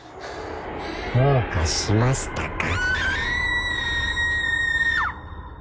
どうかしましたか？